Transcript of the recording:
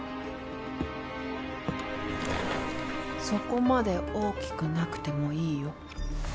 そこまで大きくなくてもいいよ